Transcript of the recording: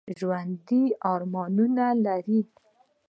ژوندي ارمانونه لري